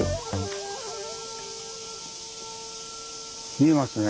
見えますね。